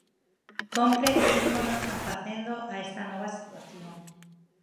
Compre írmonos afacendo a esta nova situación